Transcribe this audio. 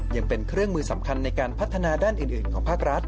ยังเป็นเครื่องมือสำคัญในการพัฒนาด้านอื่นของภาครัฐ